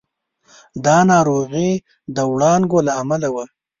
دا ناروغي د وړانګو له امله وه.